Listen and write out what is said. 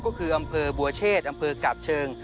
ก็คืออำเภอบัวเชษอำเภอกาบเชิง